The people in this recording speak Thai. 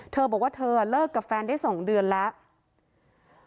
เธอบอกว่าเธอเลิกกับแฟนได้๒เดือนแล้ว